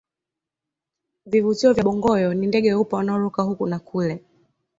vivutio vya bongoyo ni ndege weupe wanaoruka huku na kule